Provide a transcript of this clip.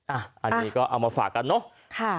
อันนี้ก็เอามาฝากกันเนอะ